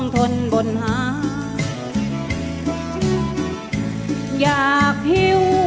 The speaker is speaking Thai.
ใช้